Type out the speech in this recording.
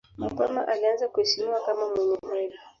Mapema alianza kuheshimiwa kama mwenye heri.